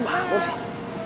mbak bangun sih